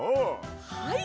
はい！